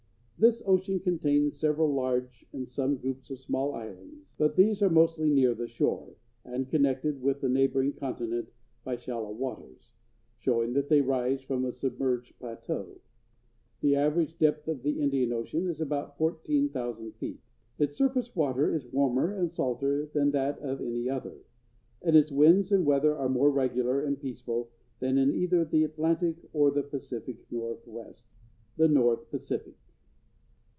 This ocean contains several large and some groups of small islands, but these are mostly near the shore, and connected with the neighboring continent by shallow waters, showing that they rise from a submerged plateau. The average depth of the Indian Ocean is about fourteen thousand feet; its surface water is warmer and salter than that of any other; and its winds and weather are more regular and peaceful than in either the Atlantic or the North Pacific.